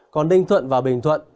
còn ninh thuận và bình thuận